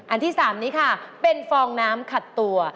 อันที่๓นี้ค่ะเป็นฟองน้ำขัดตัว